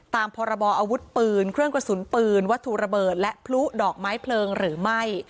พรบออาวุธปืนเครื่องกระสุนปืนวัตถุระเบิดและพลุดอกไม้เพลิงหรือไม่